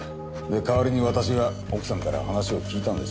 で代わりに私が奥さんから話を聞いたんです。